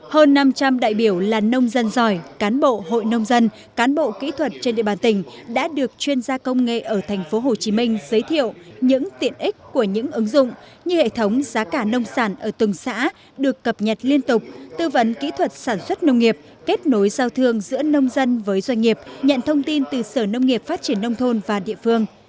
hơn năm trăm linh đại biểu là nông dân giỏi cán bộ hội nông dân cán bộ kỹ thuật trên địa bàn tỉnh đã được chuyên gia công nghệ ở tp hcm giới thiệu những tiện ích của những ứng dụng như hệ thống giá cả nông sản ở từng xã được cập nhật liên tục tư vấn kỹ thuật sản xuất nông nghiệp kết nối giao thương giữa nông dân với doanh nghiệp nhận thông tin từ sở nông nghiệp phát triển nông thôn và địa phương